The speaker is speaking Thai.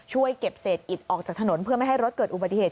ช่วยเก็บเศษอิดออกจากถนนเพื่อไม่ให้รถเกิดอุบัติเหตุ